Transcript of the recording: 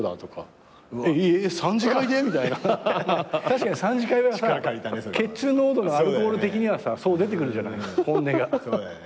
確かに３次会は血中濃度がアルコール的にはさそう出てくるじゃない本音が。